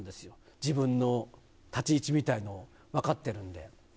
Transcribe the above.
自分の立ち位置みたいなのを分かってるんで。